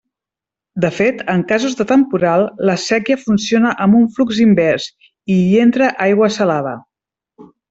De fet, en casos de temporal, la séquia funciona amb un flux invers, i hi entra aigua salada.